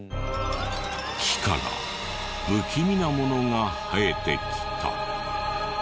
木から不気味なものが生えてきた。